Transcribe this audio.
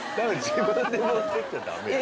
自分でもってっちゃダメよ